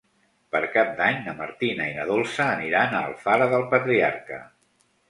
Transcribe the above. Per Cap d'Any na Martina i na Dolça aniran a Alfara del Patriarca.